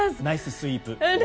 ナイススイープ。